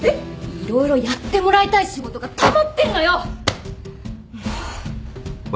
色々やってもらいたい仕事がたまってんのよ！